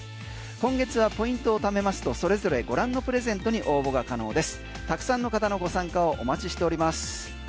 今月はポイントを貯めますとそれぞれ御覧のプレゼントに応募が可能です。